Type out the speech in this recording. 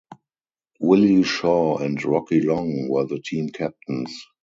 Willie Shaw and Rocky Long were the team captains.